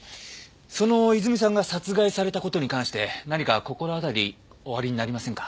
そのいずみさんが殺害された事に関して何か心当たりおありになりませんか？